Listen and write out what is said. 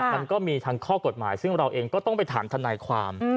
มันก็มีทั้งข้อกฎหมายซึ่งเราเองก็ต้องไปถามทนายความ